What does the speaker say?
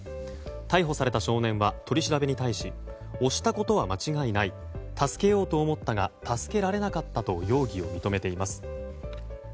逮捕された少年は取り調べに対し押したことは間違いない助けようと思ったが助けられなかったと容疑を認めています。